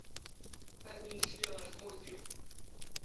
Ad nnejliɣ a tamurt-iw.